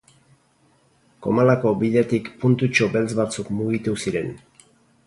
Comalako bidetik puntutxo beltz batzuk mugitu ziren.